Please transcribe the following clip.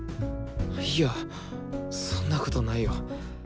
いやそんなことないよ。